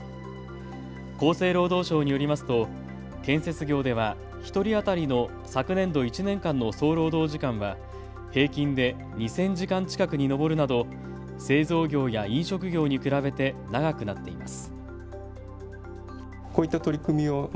厚生労働省によりますと建設業では１人当たりの昨年度１年間の総労働時間は平均で２０００時間近くに上るなど製造業や飲食業に比べて長くなっています。